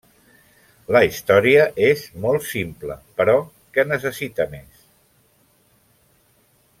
La història és molt simple, però que necessita més?